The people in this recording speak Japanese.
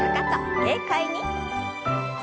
軽快に。